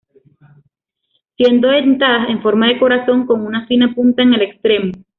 Siendo dentadas, en forma de corazón con una fina punta en el extremo.